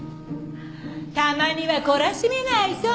たまには懲らしめないと。